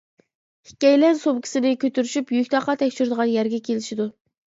ئىككىيلەن سومكىسىنى كۆتۈرۈشۈپ يۈك تاقا تەكشۈرىدىغان يەرگە كېلىشىدۇ.